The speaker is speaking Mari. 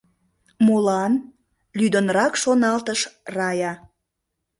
Молан? — лӱдынрак шоналтыш Рая.